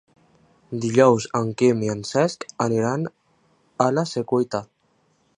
Dijous en Quim i en Cesc aniran a la Secuita.